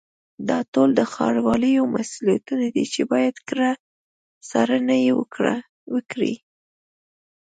دا ټول د ښاروالیو مسؤلیتونه دي چې باید کره څارنه یې وکړي.